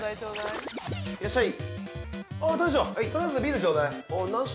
◆いらっしゃい。